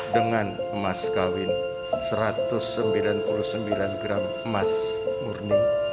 dengan emas kawin satu ratus sembilan puluh sembilan gram emas murni